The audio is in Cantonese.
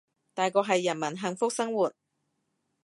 大局係人民生活幸福